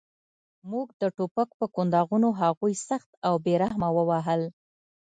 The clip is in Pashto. موږ د ټوپک په کنداغونو هغوی سخت او بې رحمه ووهل